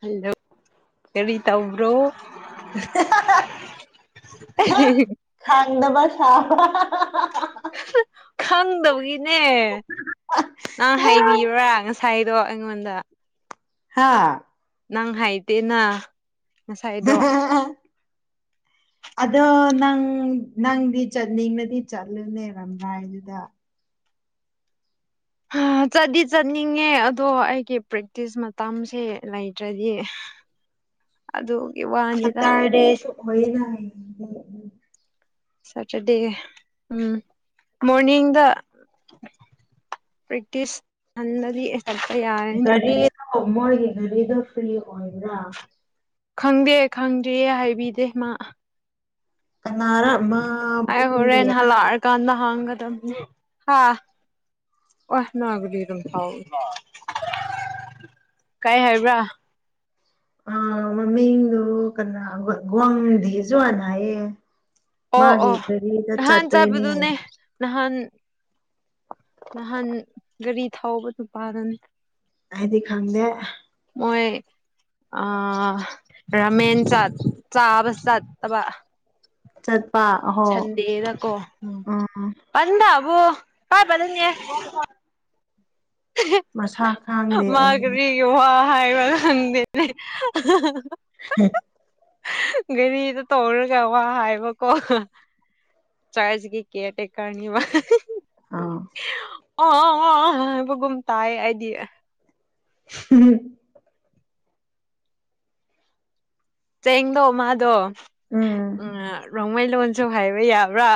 hello ꯀꯔꯤ ꯇꯧꯕ꯭ꯔꯣ [unintelligible] [inaudible] ꯗ ꯄꯁꯥ ꯈꯪꯗꯕꯒꯤꯅꯦ ꯅꯪ ꯍꯥꯏ ꯕꯤꯕ꯭ꯔꯥ ꯉꯁꯥꯏꯗꯣ ꯑꯩꯉꯣꯟꯗ ꯍꯥꯥ ꯅꯪ ꯍꯥꯏꯗꯦꯅ ꯉꯁꯥꯏꯗꯣ [inaudible] ꯑꯗꯣ ꯅꯪ ꯅꯪꯗꯤ ꯆꯠꯅꯤꯡꯅꯗꯤ ꯆꯠꯂꯨꯅꯦ ꯔꯝꯔꯥꯏꯗꯨꯗ ꯆꯠꯗꯤ ꯆꯠꯅꯤꯡꯉꯦ ꯑꯗꯣ ꯑꯩꯒꯤ ꯄ꯭ꯔꯦꯛꯇꯤꯁ ꯃꯇꯝꯁꯦ ꯂꯩꯇ꯭ꯔꯗꯤ ꯑꯗꯨ ꯁꯇꯥꯔ ꯗꯦꯁꯨ ꯑꯣꯏꯌꯦꯒ ꯁꯇꯔ꯭ꯗꯦ ꯎꯝ ꯃꯣꯔꯅꯤꯡꯗ ꯄ꯭ꯔꯦꯛꯇꯤꯁ ꯈꯟꯗꯗꯤ ꯆꯠꯄ ꯌꯥꯔꯅꯤ ꯑꯣ ꯃꯣꯏꯒꯤ ꯒꯔꯤꯗꯣ ꯐꯔꯤ ꯑꯣꯏꯕꯔ꯭ ꯈꯪꯗꯦ ꯈꯪꯗꯤꯌꯦ ꯍꯥꯏꯕꯤꯗꯦ ꯃꯥ ꯀꯅꯥꯔ ꯑꯩ ꯃꯥꯕꯨꯡ ꯍꯣꯔꯦꯟ ꯀꯌꯥ ꯍꯂꯥꯔ ꯑꯀꯥꯟꯗ ꯍꯥꯡꯒꯗꯝꯅꯤ ꯍꯥꯥ ꯋꯥꯁꯅꯒꯔꯝ ꯊ [unintelligible] ꯀꯩ ꯍꯥꯏꯕ꯭ꯔꯥ ꯑ ꯃꯃꯤꯡ ꯗꯨ ꯀꯅꯥ ꯒꯋ꯭ꯥꯡꯗꯤ ꯖꯋ꯭ꯥꯟ ꯍꯥꯌꯦ ꯑꯣ ꯃꯥꯒꯤ ꯑꯣ ꯀꯔꯤꯗ ꯅꯍꯥꯟ ꯆꯠꯇꯣꯏꯅꯤ ꯆꯠꯄꯗꯨꯅꯦ ꯍꯩꯌꯦ ꯅꯍꯥꯟ ꯅꯍꯥꯟ ꯒꯥꯔꯤ ꯊꯥꯎꯕ ꯅꯨꯄꯥꯥꯗꯨꯅ ꯑꯩꯗꯤ ꯈꯪꯗꯦ ꯑꯣꯏ ꯑ ꯔꯥꯃꯦꯟ ꯆ ꯆꯥꯕ ꯆꯠꯇꯕ ꯆꯠ ꯁꯟꯗꯦꯗꯀꯣ ꯎꯝ [unintelligible] ꯑꯣ ꯄꯥꯏꯕ ꯗꯅꯦ ꯃꯁꯥ ꯈꯥꯡꯗꯦ ꯃꯥ ꯑꯩꯗꯤ ꯀꯔꯤꯒꯤ ꯋꯥ ꯍꯥꯏꯕ ꯈꯪꯗꯦꯅꯦ ꯒꯥꯔꯤꯗ ꯇꯧꯔꯒ ꯋꯥ ꯍꯥꯏꯕꯀꯣ ꯆꯂꯦꯁꯤꯒꯤ ꯀꯤꯌꯔ ꯇꯦꯛꯀꯔꯅꯤꯕ ꯑꯥ ꯑ ꯑ ꯑ ꯍꯥꯏꯕꯒꯨꯝ ꯇꯥꯌꯦ ꯑꯩꯗꯤ ꯍꯨꯍꯨꯝ ꯆꯦꯡꯗꯣ ꯃꯥꯗꯣ ꯎꯝ ꯎ ꯔꯣꯡꯃꯩ ꯂꯣꯟ ꯁꯨ ꯍꯥꯏꯕ ꯌꯥꯕ꯭ꯔꯥ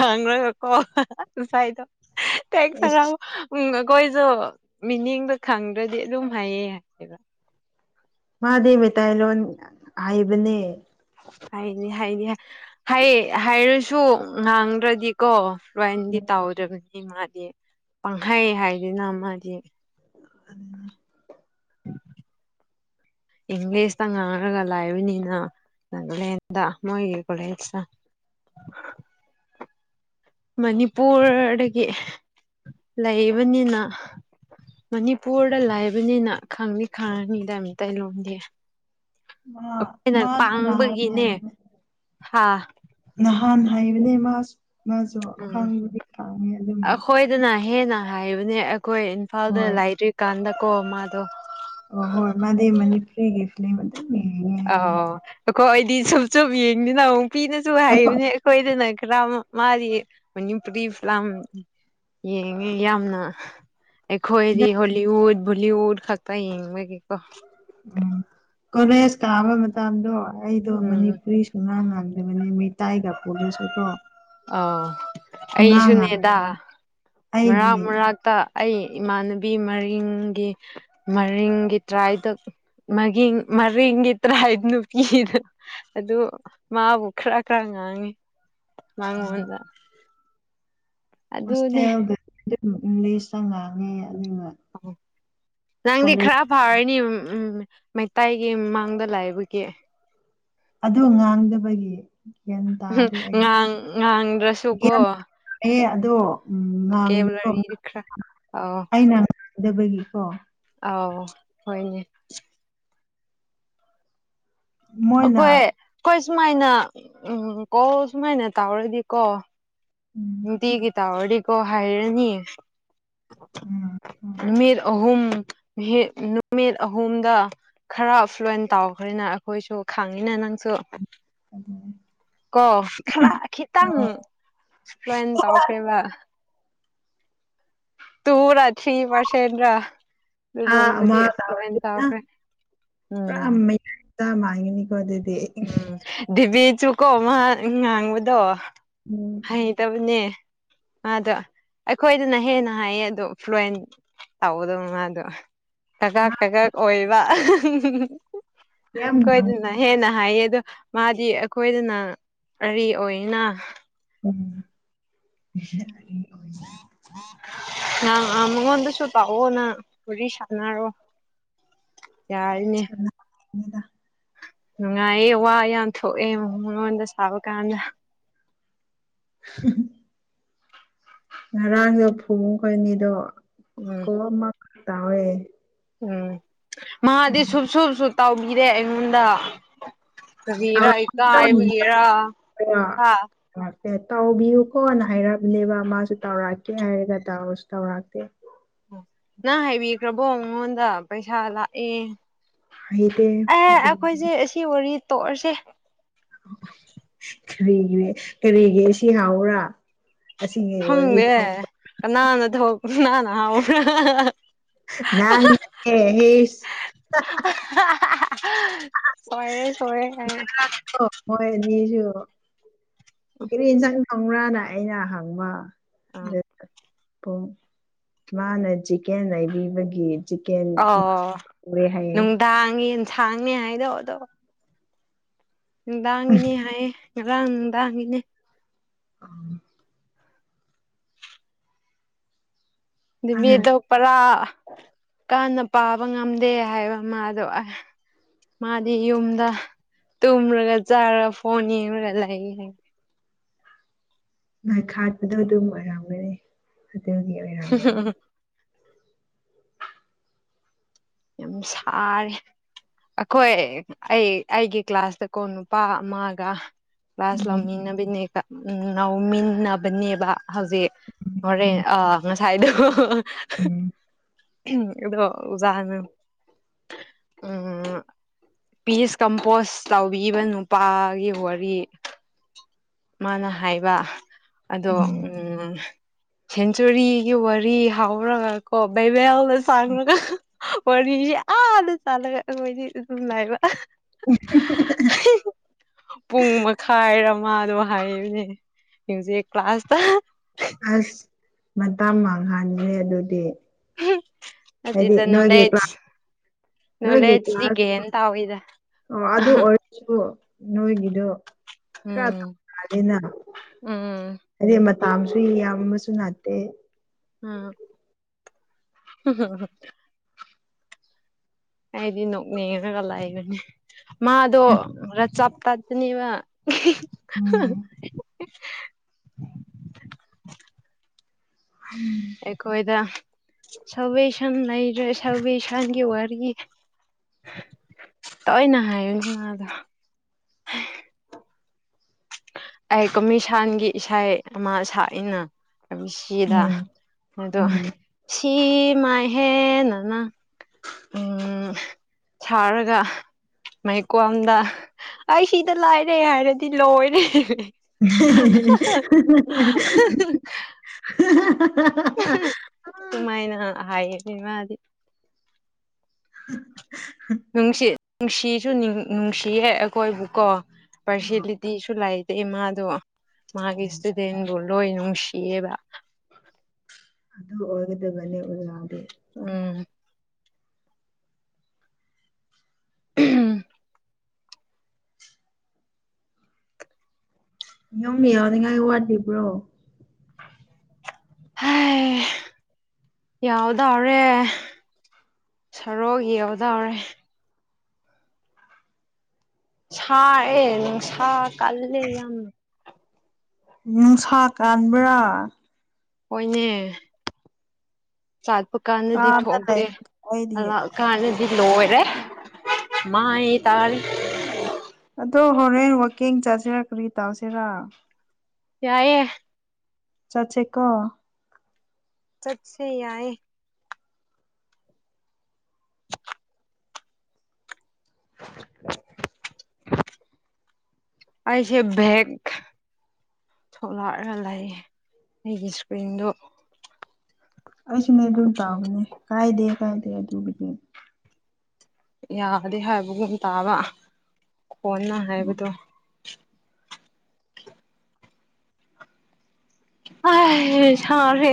ꯍꯥꯡꯔꯕꯀꯣ ꯉꯁꯥꯏꯗꯣ ꯇ ꯏꯁ ꯁꯔ ꯎ [unintelligible] ꯈꯣꯏꯁꯨ ꯃꯤꯅꯤꯡꯗꯨ ꯈꯪꯗ꯭ꯔꯗꯤ ꯑꯗꯨꯝ ꯍꯥꯏꯌꯦ ꯍꯥꯏꯕ ꯃꯥꯗꯤ ꯃꯩꯇꯩꯂꯣꯟ ꯍꯥꯏꯕꯅꯦ ꯍꯥꯏꯅꯤ ꯍꯥꯏꯅꯤ ꯍꯩ ꯍꯥꯏꯔꯁꯨ ꯉꯥꯡꯗ꯭ꯔꯗꯤꯀꯣ ꯂꯥꯏꯅꯗꯤ ꯎꯝ ꯇꯧꯗꯕꯅꯤ ꯃꯥꯗꯤ ꯄꯥꯡꯍꯩ ꯍꯥꯏꯗꯅ ꯃꯥꯗꯤ ꯏꯪꯂꯤꯁꯇ ꯉꯥꯡꯔꯒ ꯂꯥꯏꯕꯅꯤꯅ ꯅꯦꯗ ꯃꯣꯏꯒꯤ ꯀꯂꯦꯜꯖ ꯃꯅꯤꯄꯨꯔꯗꯒꯤ ꯂꯩꯕꯅꯤꯅ ꯃꯅꯤꯄꯨꯔꯗ ꯂꯥꯏꯕꯅꯤꯅ ꯈꯪꯅꯤ ꯈꯪꯉꯅꯤꯗ ꯃꯤꯇꯩ ꯂꯣꯟꯗꯤ ꯑ ꯃꯥ ꯁꯅꯥ [unintelligible] ꯍꯥ ꯅꯍꯥꯟ ꯍꯥꯏꯕꯅꯦ ꯃꯥ ꯎꯝ ꯑꯗꯨꯝ ꯑꯈꯣꯏꯗꯅ ꯍꯦꯟꯅ ꯍꯥꯏꯕꯅꯦ ꯑꯩꯈꯣꯏ ꯏꯝꯐꯥꯜꯗ ꯍꯣꯏ ꯂꯥꯏꯔꯤꯀꯥꯟꯗꯀꯣ ꯃꯥꯗꯣ ꯑꯣ ꯍꯣꯏ ꯃꯥꯗꯤ ꯃꯅꯤꯄꯔꯤꯒꯤ ꯐꯤꯂꯤꯝ ꯑꯗꯨ ꯑ ꯑꯩꯈꯣꯏ ꯑꯩꯗꯤ ꯁꯨꯝ ꯁꯨꯝ ꯌꯦꯡꯗꯅ ꯑꯃꯨꯛ ꯄꯤꯅꯁꯨ ꯑꯩꯈꯣꯏ ꯍꯥꯏꯕꯅꯦ ꯑꯩꯈꯣꯏꯗꯅ ꯀꯔ꯭ꯝ ꯃꯥꯗꯤ ꯃꯅꯤꯄꯨꯔꯤ ꯐꯂꯝ ꯌꯦꯡꯉꯦ ꯌꯥꯝꯅ ꯑꯩꯈꯣꯏꯗꯤ ꯍꯣꯂꯤꯋꯨꯠ ꯕꯣꯂꯤꯋꯨꯗ ꯈꯛꯇ ꯌꯦꯡꯕꯒꯤꯀꯣ ꯎꯝ ꯀꯣꯂꯦꯖ ꯀꯥꯕ ꯃꯇꯝꯗꯣ ꯑꯩꯗꯣ ꯎꯝ ꯃꯅꯤꯄꯨꯔꯤ ꯁꯨꯅꯥ ꯉꯥꯡ ꯗꯃꯅꯤ ꯃꯩꯇꯥꯏꯒ ꯄꯨꯂꯁꯨꯀꯣ ꯑ ꯑꯩꯁꯨꯅꯦꯗꯥ ꯉꯥꯡꯗꯕꯅꯦ ꯃꯔꯥꯛ ꯑꯩꯒꯤ ꯃꯔꯥꯛꯇ ꯑꯩ ꯏꯃꯥꯟꯅꯕꯤ ꯃꯔꯤꯡꯒꯤ ꯃꯔꯤꯡꯒꯤ ꯇ꯭ꯔꯥꯏꯗ ꯃꯒꯤꯡ ꯃꯔꯤꯡꯒꯤ ꯇꯔꯥ ꯅꯨꯄꯤꯗꯣ ꯑꯗꯨ ꯃꯥꯕꯨ ꯈꯔ ꯈꯔ ꯉꯥꯡꯉꯦ ꯎꯝ ꯃꯥꯉꯣꯟꯗ ꯍꯣꯁꯇꯦꯜꯗ ꯃꯤꯁꯅ ꯉꯥꯡꯉꯦ ꯑꯗꯨꯒ ꯑꯣ ꯅꯪꯗꯤ ꯀꯣꯂꯦꯖ ꯈꯔ ꯐꯔꯅꯤ ꯎꯝ ꯃꯩꯇꯩꯥꯏꯒꯤ ꯃꯥꯡꯗ ꯂꯩꯕꯒꯤ ꯑꯗꯨ ꯉꯥꯡꯗꯕꯒꯤ ꯒꯌ꯭ꯥꯟ ꯇꯥꯗꯦ ꯑꯩ ꯉꯥꯡ ꯉꯥꯡꯗ꯭ꯔꯁꯨꯀꯣ ꯒꯌ꯭ꯥꯟ ꯇꯥꯗꯦ ꯎꯝ ꯉꯥꯡꯕꯗꯣ ꯕꯣꯀꯦꯕꯨꯂꯔꯤꯗꯤ ꯈꯔ ꯑꯥꯎ ꯑꯩꯅ ꯉꯥꯡꯗꯕꯒꯤꯀꯣ ꯑꯥꯎ ꯍꯣꯏꯅꯦ ꯃꯣꯏꯅ ꯑꯈꯣꯏ ꯑꯈꯣꯏ ꯁꯨꯃꯥꯏꯅ ꯎꯝ ꯀꯣꯜ ꯁꯨꯃꯥꯏꯅ ꯇꯧꯔꯗꯤꯀꯣ ꯎꯝ ꯅꯨꯡꯇꯤꯒꯤ ꯇꯧꯔꯗꯤꯀꯣ ꯍꯩꯔꯅꯤ ꯎꯝ ꯎꯝ ꯅꯨꯃꯤꯠ ꯑꯍꯨꯝ ꯅꯨꯃꯤꯠ ꯑꯍꯣꯨꯝꯗ ꯈꯔ ꯐ꯭ꯂꯨꯋꯟ ꯇꯥꯎꯈ꯭ꯔꯦꯅ ꯑꯈꯣꯏꯁꯨ ꯈꯪꯉꯤꯅ ꯅꯪꯁꯨ [inaudible] ꯀꯣ ꯈꯔ ꯈꯤꯇꯪ ꯑꯣ ꯐ꯭ꯂꯣꯏꯟ ꯇꯧꯈ꯭ꯔꯦꯕ ꯇꯨꯔ ꯊ꯭ꯔꯤ ꯄꯔꯁꯦꯟ꯭ꯔ ꯊꯥ ꯑꯃ ꯑꯗꯨꯒꯕꯗꯤ ꯐ꯭ꯂꯣꯟ ꯇꯥꯔꯗꯤ ꯑ ꯇꯎꯈ꯭ꯔꯦ ꯎꯝ ꯇ ꯃꯒꯤꯅꯤꯀꯣ ꯑꯗꯨꯗꯤ ꯎꯝ ꯗꯤꯕꯤꯁꯨꯀꯣ ꯃꯥ ꯉꯥꯡꯕꯗꯣ ꯎꯝ ꯍꯩꯇꯕꯅꯦ ꯑꯗ ꯑꯈꯣꯏꯗꯅ ꯍꯦꯟꯅ ꯍꯥꯏꯌꯦ ꯑꯗꯣ ꯐ꯭ꯂꯨꯋꯟ ꯇꯧꯕꯗꯨ ꯃꯥꯗꯨ ꯀꯀꯥꯛ ꯃꯥ ꯀꯀꯛ ꯑꯣꯏꯕ ꯌꯥꯝ ꯑꯈꯣꯏꯗꯅ ꯍꯦꯟꯅ ꯍꯥꯏꯌꯦ ꯑꯗꯣ ꯃꯥꯗꯤ ꯑꯈꯣꯏꯗꯅ ꯀꯔꯤ ꯑꯣꯏꯅ [inaudible] ꯑ ꯑ ꯃꯉꯣꯟꯗꯁꯨ ꯄꯥꯛꯑꯣꯅ ꯋꯥꯔꯤ ꯁꯥꯟꯅꯔꯣ ꯌꯥꯏꯅꯦ [inaudible] ꯅꯨꯡꯉꯥꯏꯌꯦ ꯋꯥ ꯌꯥꯝ ꯊꯣꯛꯑꯦ ꯃꯉꯣꯟꯗ ꯁꯥꯕ ꯀꯥꯟꯗ ꯉꯔꯥꯡꯗꯣ ꯐꯨꯈꯣꯏ ꯑꯅꯤꯗꯣ ꯎꯝ ꯀꯣꯜ ꯑꯃꯔꯛ ꯇꯧꯌꯦ ꯎꯝ ꯃꯥꯗꯤ ꯁꯨꯨꯞ ꯁꯨꯞꯁꯨ ꯇꯥꯎꯕꯤꯔꯦ ꯑꯩꯉꯣꯟꯗ ꯀꯔꯤꯔ ꯇꯧꯔꯛꯑꯒ ꯏꯀꯥꯏꯕꯒꯤꯔ ꯍꯥ ꯑꯦ ꯇꯧꯕꯤꯌꯨꯀꯣꯅ ꯍꯥꯏꯔꯕꯅꯦꯕ ꯃꯥꯁꯨ ꯇꯧꯔꯛꯀꯦ ꯍꯥꯏꯔꯒ ꯇꯧꯁꯨ ꯇꯧꯔꯛꯇꯦ ꯅꯪ ꯍꯥꯏꯕꯤꯈ꯭ꯔꯕꯣ ꯃꯉꯣꯟꯗ ꯄꯩꯁꯥ ꯂꯥꯛꯑꯦ ꯍꯩꯇꯦ ꯑꯦ ꯑꯗꯨ ꯑꯈꯣꯏꯁꯦ ꯁꯤ ꯋꯥꯔꯤ ꯇꯣꯛꯑꯁꯦ ꯀꯔꯤꯒꯤ ꯀꯔꯤꯒꯤ ꯁꯤ ꯍꯥꯎꯕ ꯈꯪꯗꯦ ꯀꯅꯥꯅ ꯇꯧꯔꯒ ꯀꯅꯥꯅ ꯍꯥꯎꯕ꯭ꯔ ꯅꯪꯅꯅꯦ ꯍꯦꯁ ꯁꯣꯏꯔꯦ ꯁꯣꯏꯔꯦ ꯑꯩ ꯃꯣꯏ ꯑꯅꯤꯁꯨ ꯑꯗꯣ ꯀꯔꯤ ꯌꯦꯟꯁꯥꯡ ꯊꯣꯡꯕ꯭ꯔꯥꯅ ꯑꯩꯅ ꯍꯪꯕ ꯑꯥ ꯄꯨꯡ ꯃꯥꯅ ꯆꯤꯀꯦꯟ ꯂꯩꯕꯤꯕꯒꯤ ꯆꯤꯀꯦꯟ ꯑꯣ ꯉꯧꯔꯦ ꯍꯥꯏꯌꯦ ꯅꯨꯡꯗꯥꯡ ꯌꯦꯟꯁꯥꯡꯅꯦ ꯍꯥꯏꯗꯧꯗꯣ ꯅꯨꯡꯗꯥꯡꯒꯤꯅꯤ ꯍꯥꯏꯌꯦ ꯉꯔꯥꯡ ꯅꯨꯡꯗꯥꯡꯒꯤꯅꯤ [inaudible] ꯑꯗꯨꯗꯤ ꯃꯥꯅ ꯑꯗꯣꯞꯄꯔꯥ ꯀꯥꯟꯅ ꯄꯥꯕ ꯉꯝꯗꯦ ꯍꯥꯏꯕ ꯃꯗꯣ ꯃꯥꯗꯤ ꯌꯨꯝꯗ ꯇꯨꯝꯔꯒ ꯆꯥꯔꯒ ꯐꯣꯟ ꯌꯦꯡꯉꯒ ꯂꯩ ꯍꯥꯏꯌꯦ ꯅꯣꯏ ꯈꯠꯄꯗꯣ ꯑꯗꯨꯝ ꯑꯣꯏꯔꯝꯒꯅꯤ ꯑꯗꯨꯒꯤ ꯑꯣꯏꯔꯝꯒꯅꯤ ꯌꯥꯝ ꯁꯥꯔ ꯑꯩꯈꯣꯏ ꯑꯩ ꯑꯩꯒꯤ ꯀ꯭ꯂꯥꯁꯇꯀꯣ ꯅꯨꯄꯥ ꯑꯃꯒ ꯀ꯭ꯂꯥꯁ ꯎꯝ ꯂꯧꯃꯤꯟꯅꯕꯤꯅꯦ ꯎ ꯉꯥꯎꯃꯤꯟꯅꯕꯅꯦꯕ ꯍꯧꯖꯤꯛ ꯃꯣꯔ ꯎꯝ ꯑ ꯁꯥꯏꯗ ꯎꯝ ꯑꯗꯣ ꯎꯖꯥꯍꯅ ꯎꯝ ꯄꯤꯁ ꯀꯝꯄꯣꯁ ꯇꯧꯕꯤꯕ ꯅꯨꯄꯥꯒꯤ ꯋꯥꯔꯤ ꯃꯥꯅ ꯍꯥꯏꯕ ꯑꯗꯣ ꯎꯝ ꯁꯦꯟꯆꯨꯔꯤꯒꯤ ꯋꯥꯔꯤ ꯍꯥꯎꯔꯒ ꯀꯣ ꯕꯩꯕꯦꯜꯗ ꯆꯥꯡꯈ꯭ꯔꯒ ꯋꯥꯔꯤ ꯑꯥꯗ ꯆꯥꯂꯒ ꯑꯩꯈꯣꯏꯗꯤ ꯑꯗꯨꯝꯉꯥꯏꯕ ꯄꯨꯡ ꯃꯈꯥꯏꯔꯃꯗꯣ ꯍꯥꯏꯅꯦ ꯃꯖꯤꯛ ꯀ꯭ꯂꯥꯁ ꯊ ꯑꯁ ꯃꯇꯥꯡ ꯃꯥꯡꯍꯟꯗꯦ ꯑꯗꯨꯗꯤ ꯍꯥꯏꯗꯤ ꯃꯗ ꯅꯣꯏꯒꯤ ꯅꯣꯂꯦꯖ ꯀ꯭ꯂꯥꯁ ꯅꯣꯏꯒꯤ ꯅꯣꯂꯦꯖꯁꯤꯒ ꯀ꯭ꯂꯥꯁ ꯑꯦꯟ ꯇꯥꯎꯗ ꯑꯣ ꯑꯗꯨ ꯑꯣꯔꯁꯨꯁꯨ ꯅꯣꯏꯣꯏꯒꯗꯨ ꯈ ꯎꯝ ꯇꯅ ꯎꯝ ꯑꯗꯦ ꯃ ꯇꯥꯝꯁꯨꯏ ꯌꯥꯝ ꯑꯃꯁꯨ ꯅꯥꯠꯇꯦ ꯎꯝ ꯎ [unintelligible] [inaudible] ꯑꯩꯗꯤ ꯅꯣꯛꯅꯤꯡꯦꯛꯉꯒ ꯂꯥꯛꯕꯅꯦ ꯃꯥꯗꯣ ꯈ ꯆꯞ ꯇꯥꯄꯅꯦꯕ ꯎꯝ [unintelligible] [inaudible] ꯑꯩꯈꯣꯏꯣꯏꯗ ꯁꯕꯁꯟ ꯂꯩꯔꯦ ꯁꯕꯩ ꯁꯟꯒꯤ ꯋꯥꯔꯤꯔꯒꯤ ꯇꯑꯣꯏꯅ ꯍꯥꯏꯌꯨ ꯃꯥꯗꯣ ꯑꯩ ꯀꯃꯤꯁꯥꯟꯒꯤ ꯏꯁꯩ ꯑꯃ ꯁꯛꯏꯅ ꯁꯤꯗ ꯎꯝ ꯑꯗꯣ ꯎꯝ ꯁꯤ ꯃꯥꯏꯍꯦꯟꯅꯅ ꯎꯝ ꯊꯔꯒ ꯃꯩꯀꯣꯝꯗ ꯑꯩ ꯁꯤꯗ ꯂꯥꯏꯔꯦ ꯍꯥꯏꯔꯗꯤ ꯂꯣꯏꯔꯦ [unintelligible] [inaudible] ꯁꯨꯃꯥꯏꯅ ꯍꯥꯏꯌꯦꯕ ꯃꯥꯗꯤ [unintelligible] [inaudible] ꯅꯨꯡꯁꯤ ꯅꯨꯡꯁꯤꯁꯨ ꯅꯨꯡꯁꯤꯍꯦ ꯑꯩꯈꯣꯏꯕꯨꯀꯣ ꯄꯥꯔꯁꯤꯌꯦꯂꯤꯇꯤꯁꯨ ꯂꯥꯏꯇꯦ ꯃꯥꯗꯣ ꯃꯥꯒꯤ ꯏꯁꯇꯨꯗꯦꯟꯕꯨ ꯂꯣꯏ ꯅꯨꯡꯁꯤꯌꯦꯕ ꯑꯗꯨ ꯑꯣꯏꯒꯗꯕꯅꯤ ꯑꯣꯖꯥꯗꯤ ꯎꯝ ꯎꯝ ꯌꯨꯝꯃꯤ ꯌꯥꯎꯅꯤꯡꯉꯥꯏ ꯋꯥꯠꯂꯤꯕ꯭ꯔꯣ ꯍ ꯌꯥꯎꯗ꯭ꯔꯦ ꯁꯔꯒꯤ ꯌꯎꯗ꯭ꯔꯦ ꯁꯥꯛ ꯑꯦ ꯁ ꯀꯥꯏꯂ ꯌꯥꯝ ꯌꯥꯝꯅ ꯅꯨꯡ ꯁꯥ ꯀꯕ꯭ꯔꯥ ꯍꯣꯏꯅꯦ ꯆꯥꯠꯄ ꯀꯥꯟꯗꯗꯤ ꯀꯥꯗ ꯂꯩꯕꯗꯣ ꯑꯩꯗꯤ ꯊꯣꯛꯇꯦꯥꯛꯀꯥꯟꯗꯗꯤ ꯂꯣꯏꯔꯦ ꯃꯥꯌꯦ ꯇꯥꯔ ꯑꯗꯣ ꯍꯣꯔꯦꯟ ꯋꯥꯛꯀꯤꯡ ꯆꯥꯁꯤꯔ ꯀꯔꯤ ꯇꯧꯁꯤꯔꯥ ꯌꯥꯌꯦꯦ ꯆ ꯆꯩꯦ ꯀꯣ ꯆꯠꯁꯦ ꯌꯥꯏ ꯑꯩꯁꯦ ꯦꯒ ꯊꯣꯛꯂꯛꯑꯒ ꯂꯩ ꯑꯩꯒꯤ ꯏꯁꯀ꯭ꯔꯤꯟꯗꯨ ꯑꯩꯁꯨꯅꯦ ꯑꯗꯨꯝ ꯇꯥꯎꯕꯅꯤ ꯀꯥꯏꯗꯦ ꯀꯥꯏꯗꯦ ꯑꯗꯨꯕꯨꯗꯤ ꯌꯥꯗꯦ ꯍꯥꯏꯕꯒꯨꯝ ꯇꯥꯕ ꯀꯣꯟꯅ ꯍꯥꯏꯕꯗꯣ ꯑꯥꯏ ꯍ‌ꯦ ꯁꯔꯦ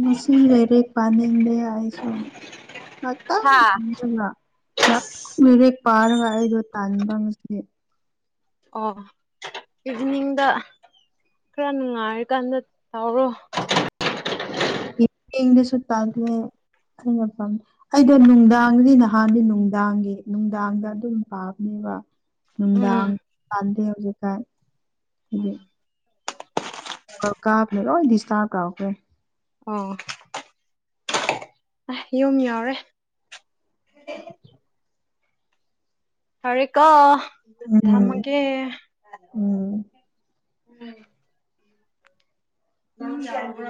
ꯉꯁꯤ ꯂꯩꯔꯦꯛ ꯄꯥꯅꯤꯡꯗ‌ꯦ ꯂꯥꯛ ꯇ ꯍꯥ ꯉꯔ [unintelligible] ꯄꯥꯔꯒ ꯑꯩꯗꫭ ꯇꯥꯥꯟꯕꯝꯁꯤ ꯑꯣ ꯏꯚꯤꯅꯤꯡꯗ ꯈ꯭ꯔ ꯅꯨꯉꯥꯏ ꯀꯥꯟꯗ ꯇꯧꯔꯣ ꯏꯤꯡꯂꯤꯁꯁꯨ ꯄꯥꯒꯂꯦ ꯑꯩꯅ ꯐꯝ ꯑꯩꯗ ꯅꯨꯡꯗꯥꯡꯗꯤ ꯅꯍꯥꯟꯗꯤ ꯅꯨꯡꯗꯥꯡꯒꯤ ꯅꯨꯡꯗꯥꯡꯗ ꯑꯗꯨꯝ ꯄꯥꯕꯅꯦꯕ ꯑꯗꯨꯒ ꯅꯨꯡꯗꯥꯡ ꯎꯝ ꯄꯥꯟꯗꯦ ꯍꯧꯖꯤꯛꯀꯥꯟ ꯍꯥꯏꯗꯤ ꯀ ꯀꯥ ꯐꯦꯂꯣ ꯗꯤꯁꯇꯥꯥ ꯀꯈꯦ [unintelligible] ꯑꯣ ꯑ‌ꯦ ꯌꯨꯝ ꯌꯥꯎꯔꯦ ꯐꯔ‌ꯦ ꯀꫭ ꯎꯝ ꯊꯝꯃꯒꯦ ꯎꯝ ꯎꯝ [unintelligible]